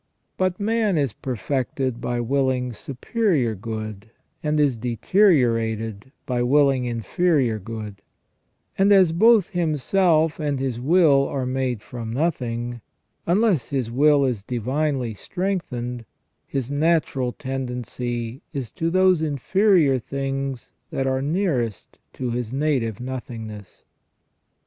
But man is perfected by willing superior good, and is deteriorated by willing inferior good ; and as both himself and his will are made from nothing, unless his will is divinely strengthened, his natural tendency is to those inferior things that are nearest to his native nothingness.